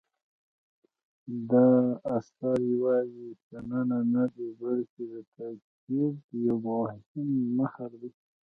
دا اثر یوازې شننه نه دی بلکې د تاکید یو مهم مهر دی.